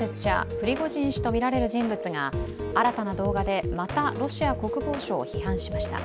プリゴジン氏とみられる人物が新たな動画でまたロシア国防省を批判しました。